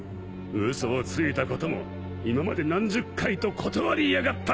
嘘をついたことも今まで何十回と断りやがったことも！